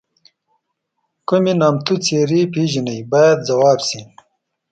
کومې نامتو څېرې پیژنئ باید ځواب شي.